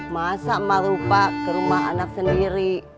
masa emang lupa ke rumah anak sendiri